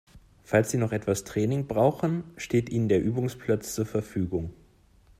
Falls Sie noch etwas Training brauchen, steht Ihnen der Übungsplatz zur Verfügung.